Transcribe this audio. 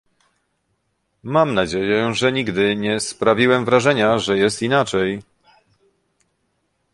Mam nadzieję, że nigdy nie sprawiłem wrażenia, że jest inaczej